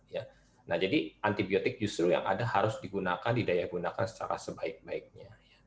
nah jadi antibiotik justru yang ada harus digunakan didayakunakan secara sebaik baiknya